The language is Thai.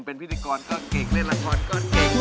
เป็นพิธีกรก็เก่งเล่นละครก็เก่ง